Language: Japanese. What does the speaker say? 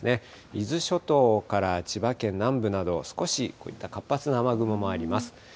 伊豆諸島から千葉県南部など、少しこういった活発な雨雲もあります。